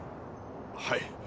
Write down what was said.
はい。